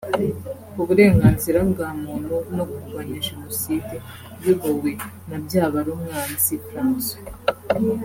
Uburenganzira bwa Muntu no kurwanya Jenoside; iyobowe na Byabarumwanzi François